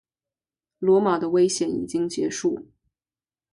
罗马的危险已经结束。